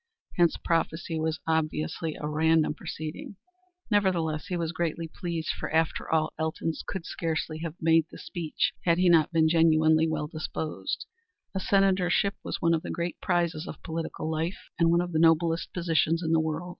Hence prophecy was obviously a random proceeding. Nevertheless he was greatly pleased, for, after all, Elton would scarcely have made the speech had he not been genuinely well disposed. A senatorship was one of the great prizes of political life, and one of the noblest positions in the world.